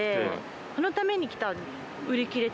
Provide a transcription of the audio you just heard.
このために来た。